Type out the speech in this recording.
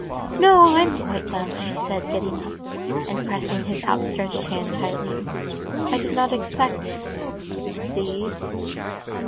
"No, I'm quite well," she said, getting up and pressing his outstretched hand tightly. "I did not expect ... thee."